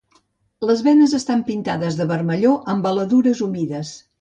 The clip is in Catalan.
Les venes estan pintades de vermelló amb veladures humides.